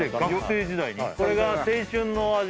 これが青春の味？